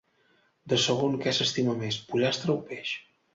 De segon què s'estima més, pollastre o peix?